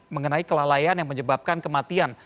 mengenai kelalaian yang menyebabkan kematian